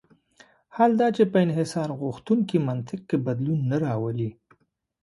حال دا چې په انحصارغوښتونکي منطق کې بدلون نه راولي.